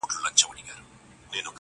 o يوار ماسوم سمه له ځانه سره داسې وايم